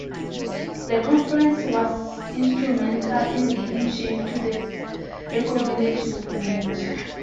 This conference was instrumental in giving shape to the ecovillage movement.